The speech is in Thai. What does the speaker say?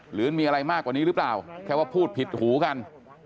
หรือมีอะไรมากกว่านี้หรือเปล่าแค่ว่าพูดผิดหูกัน